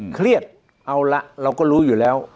เครียดเอาละเราก็รู้อยู่แล้ว